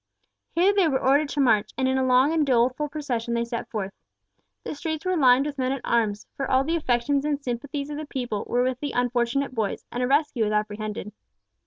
Here they were ordered to march, and in a long and doleful procession they set forth. The streets were lined with men at arms, for all the affections and sympathies of the people were with the unfortunate boys, and a rescue was apprehended.